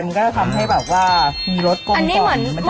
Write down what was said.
มันก็ทำให้แบบว่ามีรสกงก่อน